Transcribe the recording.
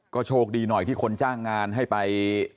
ก็โชคดีหน่อยที่คนจ้างงานให้ไป